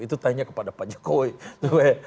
itu tanya kepada pak jokowi